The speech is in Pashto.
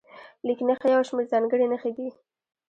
لیک نښې یو شمېر ځانګړې نښې دي.